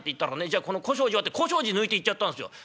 『じゃこの小障子を』って小障子抜いて行っちゃったんすよ。